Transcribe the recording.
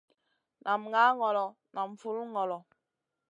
Nam ŋah ŋolo nam vul ŋolo.